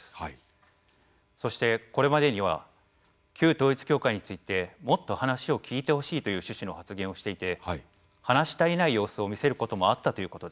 そしてこれまでには「旧統一教会についてもっと話を聞いてほしい」という趣旨の発言をしていて話し足りない様子を見せることもあったということです。